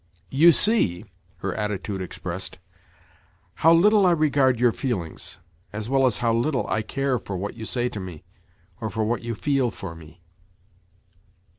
"You see," her attitude expressed, "how little I regard your feelings, as well as how little I care for what you say to me, or for what you feel for me."